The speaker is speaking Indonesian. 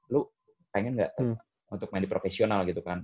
lo pengen gak untuk main di profesional gitu kan